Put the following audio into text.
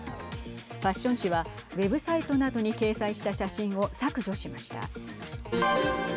ファッション誌はウェブサイトなどに掲載した写真を削除しました。